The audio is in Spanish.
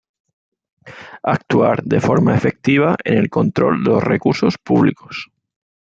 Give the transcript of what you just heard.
Actuar de forma efectiva en el control de los recursos públicos.